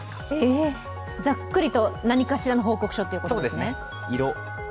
ざっくりと何かしらの報告書ということですね。